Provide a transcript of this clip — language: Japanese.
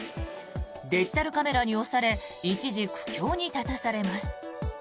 デジタルカメラに押され一時、苦境に立たされます。